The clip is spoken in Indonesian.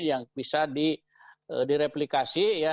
yang bisa direplikasi ya